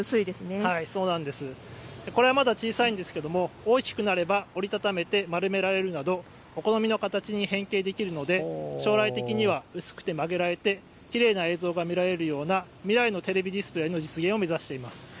これはまだ小さいですが大きくなれば折り畳めて丸められるなどお好みの形に変形できるので将来的には薄くて曲げられてきれいな映像が見られるような未来のテレビディスプレイを目指しています。